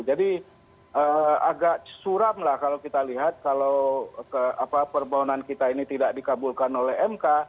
jadi agak suram lah kalau kita lihat kalau perbohonan kita ini tidak dikabulkan oleh mk